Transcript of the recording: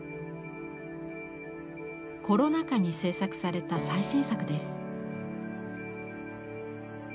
コロナ禍に制作された最新作です。